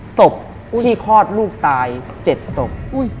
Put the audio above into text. ศพที่คลอดลูกตาย๗ศพ